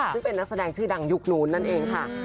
ซึ่งเป็นนักแสดงชื่อดังยุคนู้นนั่นเองค่ะ